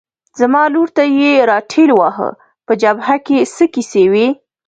زما لور ته یې را ټېل واهه، په جبهه کې څه کیسې وې؟